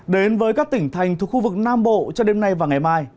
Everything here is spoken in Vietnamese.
đến với các tỉnh thành thuộc khu vực nam bộ cho đêm nay và ngày mai